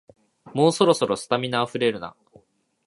もうそろそろ、スタミナあふれるな